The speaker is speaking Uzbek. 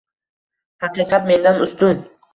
«Haqiqat mendan ustun»